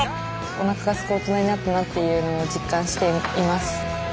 おなかがすくオトナになったなっていうのを実感しています。